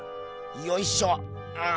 よいしょっ！